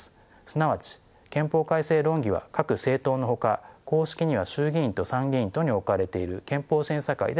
すなわち憲法改正論議は各政党のほか公式には衆議院と参議院とに置かれている憲法審査会で行われています。